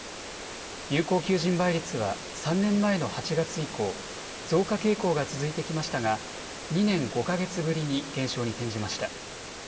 有効求人倍率は３年前の８月以降、増加傾向が続いてきましたが２年５か月ぶりに減少に転じました。